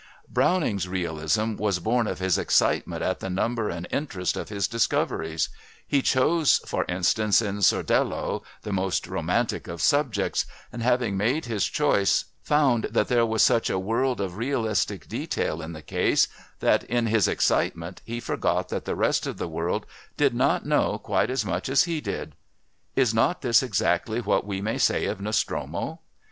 Browning's realism was born of his excitement at the number and interest of his discoveries; he chose, for instance, in Sordello the most romantic of subjects, and, having made his choice, found that there was such a world of realistic detail in the case that, in his excitement, he forgot that the rest of the world did not know quite as much as he did. Is not this exactly what we may say of Nostromo?